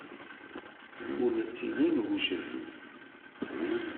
Ur nettili newjed.